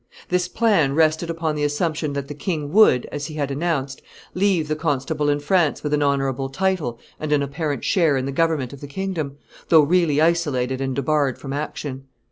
This plan rested upon the assumption that the king would, as he had announced, leave the constable in France with an honorable title and an apparent share in the government of the kingdom, though really isolated and debarred from action.